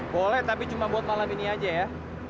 boleh tapi cuma buat malam ini aja ya